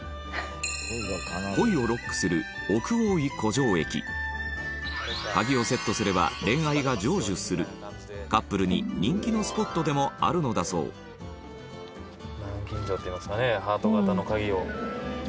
恋をロックする「奥大井恋錠駅」鍵をセットすれば恋愛が成就するカップルに人気のスポットでもあるのだそう徳永：南京錠といいますかねハート形の鍵を。